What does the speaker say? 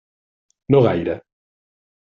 No gaire.